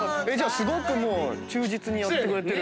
すごく忠実にやってくれてる。